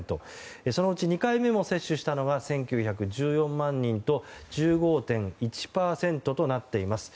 そのうち２回目も接種したのは１９１４万人で１５．１％となっています。